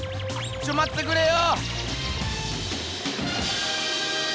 ちょっまってくれよ。